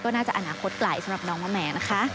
น่าจะอนาคตไกลสำหรับน้องมะแหมนะคะ